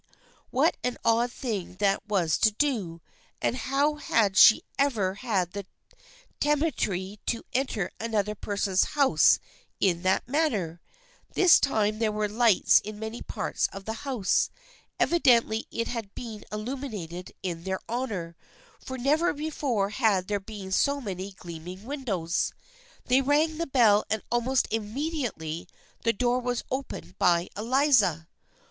What an odd thing that was to do, and how had she ever had the temerity to enter another person's house in that manner ! This time there were lights in many parts of the house. Evidently it had been illuminated in their honor, for never before had there been so many gleaming windows. They rang the bell and almost immediately the door was opened by Eliza.